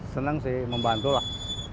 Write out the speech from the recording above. seneng sih membantu lah